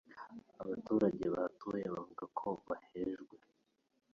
Abaturage bahatuye bavuga ko bahejwe